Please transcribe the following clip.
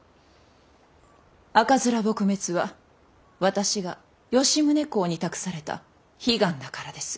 赤面撲滅は私が吉宗公に託された悲願だからです。